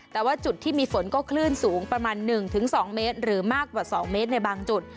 แต่ว่าจุดที่มีฝนก็คลื่นสูงประมาณ๑๒เมตรหรือมากกว่า๒เมตรในบางจุด